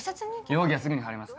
容疑はすぐに晴れます。